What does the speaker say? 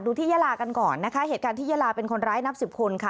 ที่ยาลากันก่อนนะคะเหตุการณ์ที่ยาลาเป็นคนร้ายนับสิบคนค่ะ